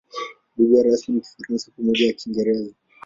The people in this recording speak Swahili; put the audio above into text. Lugha rasmi ni Kifaransa pamoja na Kiingereza.